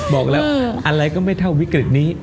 บอกแล้วอะไรก็ไม่เท่าวิกฤตนี้